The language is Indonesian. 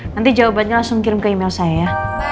nanti jawabannya langsung kirim ke email saya